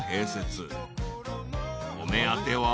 ［お目当ては］